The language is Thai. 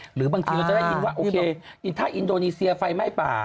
หรือบางทีเราจะได้ยินว่าโอเคถ้าอินโดนีเซียไฟไหม้ป่า